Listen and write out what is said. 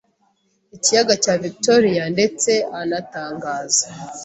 ikiyaga cya Victoria ndetse anatangaza